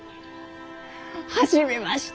初めまして！